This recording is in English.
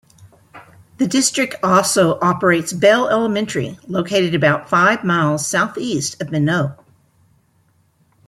The district also operates Bell Elementary, located about five miles southeast of Minot.